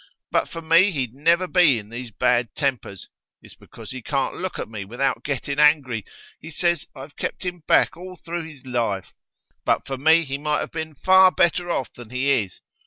But for me he'd never be in these bad tempers; it's because he can't look at me without getting angry. He says I've kept him back all through his life; but for me he might have been far better off than he is.